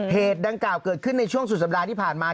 ดังกล่าวเกิดขึ้นในช่วงสุดสัปดาห์ที่ผ่านมา